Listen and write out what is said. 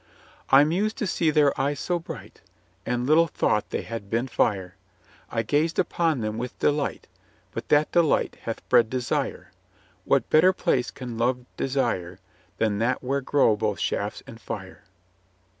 I mused to see their eyes so bright, And little thought they had been fire; I gazed upon them with delight. But that delight hath bred desire. What better place can love desire Than that where grow both shafts and fire?